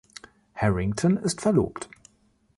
Harrington ist verlobt.